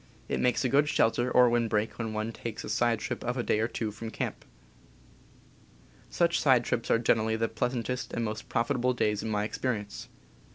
It makes a good shel ter or windbreak when one takes a side trip of a day or two from camp. Such side trips are generally the pleasantest and most profitable days in my experience.